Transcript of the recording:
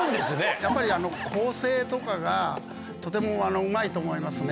やっぱり構成とかが、とてもうまいと思いますね。